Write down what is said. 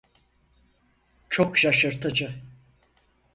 Çok şaşırtıcı.